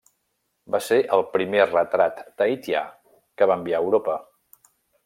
Va ser el primer retrat tahitià que va enviar a Europa.